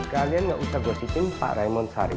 kalian gak usah gosipin pak raimon sari